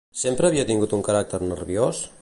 Sempre havia tingut un caràcter nerviós?